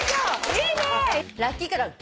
いいね！